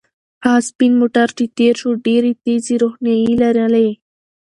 هغه سپین موټر چې تېر شو ډېرې تیزې روښنایۍ لرلې.